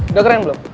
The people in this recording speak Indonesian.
udah keren belum